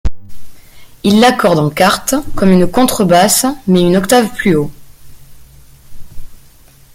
Il l'accorde en quartes, comme une contrebasse mais une octave plus haut.